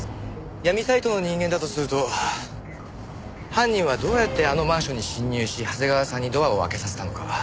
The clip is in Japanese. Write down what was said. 闇サイトの人間だとすると犯人はどうやってあのマンションに侵入し長谷川さんにドアを開けさせたのか？